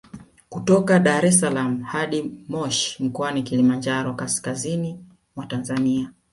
Kutoka Dar es salaam hadi Moshi mkoani Kilimanjaro kaskazini mwa Tanzania